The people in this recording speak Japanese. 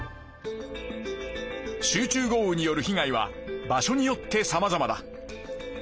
集中豪雨によるひ害は場所によってさまざまだ。